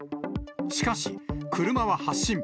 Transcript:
しかし、車は発進。